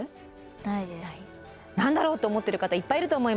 何だろうと思ってる方いっぱいいると思います。